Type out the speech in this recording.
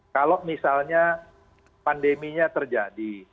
kalau misalnya pandeminya terjadi